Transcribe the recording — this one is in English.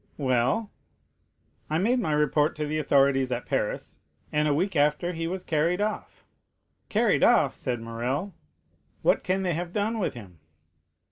"Well?" "I made my report to the authorities at Paris, and a week after he was carried off." "Carried off!" said Morrel. "What can they have done with him?"